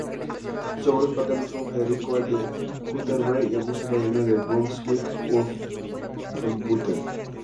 Sus abuelos paternos fueron Federico I de Wurtemberg y Augusta Carolina de Brunswick-Wolfenbüttel.